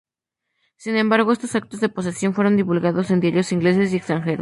Sin embargo, estos actos de posesión fueron divulgados en diarios ingleses y extranjeros.